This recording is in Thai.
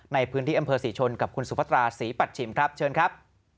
ในพื้นที่อำเภอศรีชนกับคุณสุพัตราศรีปัชชิมครับเชิญครับ